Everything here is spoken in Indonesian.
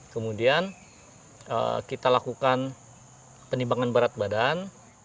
kemudian kita lakukan penimbangan berat badan